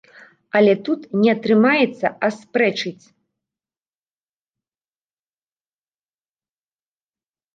Але тут не атрымаецца аспрэчыць.